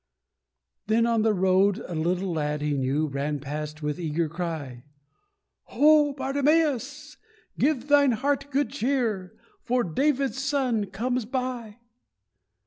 Then on the road a little lad he knew Ran past, with eager cry, "Ho, Bartimeus! Give thine heart good cheer, For David's Son comes by!